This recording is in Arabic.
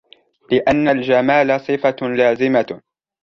لِأَنَّ الْجَمَالَ صِفَةٌ لَازِمَةٌ